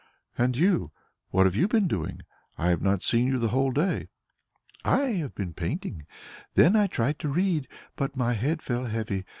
"And you what have you been doing? I have not seen you the whole day." "I have been painting; then I tried to read, but my head felt heavy.